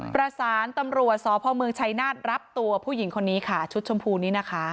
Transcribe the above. ประสานตำรวจสพเมืองชัยนาธรับตัวผู้หญิงคนนี้ค่ะชุดชมพูนี้นะคะ